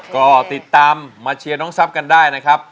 ก็ติดตามมาเชียร์น้องทรัพย์กันได้นะครับ